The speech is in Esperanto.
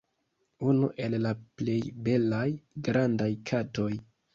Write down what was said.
Unu el la plej belaj grandaj katoj.